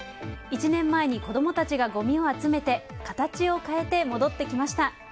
１年前に子供たちがごみを集めて形を変えて戻ってきました。